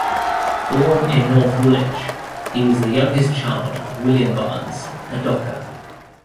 Born in North Woolwich, he was the youngest child of William Barnes, a docker.